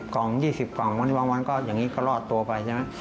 ๑๐กล่อง๒๐กล่องวันที่วางอย่างนี้ก็รอดตัวไปใช่ไหม